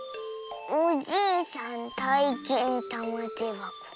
「おじいさんたいけんたまてばこ。